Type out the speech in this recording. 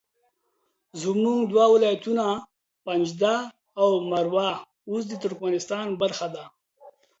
زموږ دوه ولایته پنجده او مروه اوس د ترکمنستان برخه ده